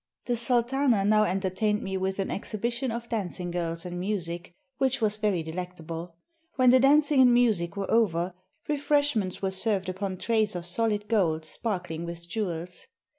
The sultana now entertained me with an exhibi tion of dancing girls and music, which was very delectable. When the dancing and music were over, refreshments were served upon trays of solid gold spar kling with jewels.